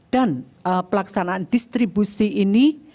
dan pelaksanaan distribusi ini